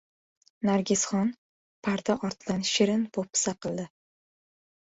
Nargisxon, parda ortidan shirin po‘pisa qildi.